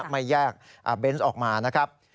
ไม่แยกเบนส์ออกมานะครับ